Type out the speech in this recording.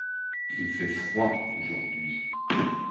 il fait froid aujourd'hui.